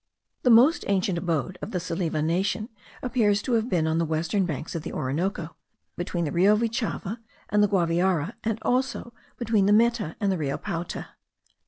The most ancient abode of the Salive nation appears to have been on the western banks of the Orinoco, between the Rio Vichada* and the Guaviare, and also between the Meta and the Rio Paute.